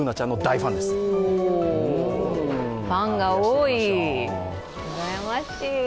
ファンが多い、うらやましい。